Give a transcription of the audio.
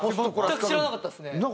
全く知らなかったですね。